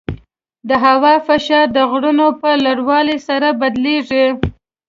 د هوا فشار د غرونو په لوړوالي سره بدلېږي.